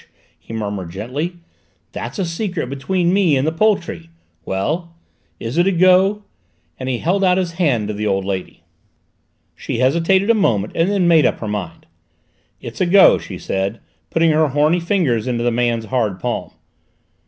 he murmured gently; "that's a secret between me and the poultry. Well, is it a go?" and he held out his hand to the old lady. She hesitated a moment and then made up her mind. "It's a go," she said, putting her horny fingers into the man's hard palm.